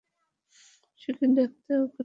সে কি দেখতে উগ্র স্বভাবের নাকি সহজ-সরল ছিলো?